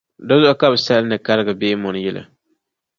Dinzuɣu ka bɛ salindi Kariga Beemoni yili.